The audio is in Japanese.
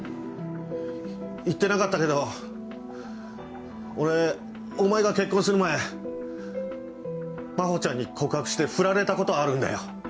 言ってなかったけど俺お前が結婚する前真帆ちゃんに告白してフラれたことあるんだよ。